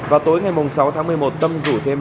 vào tối ngày sáu tháng một mươi một tâm rủ thêm